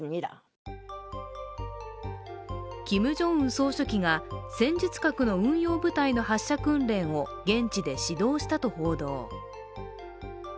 総書記が戦術核の運用部隊の発射訓練を現地で指導したと報道。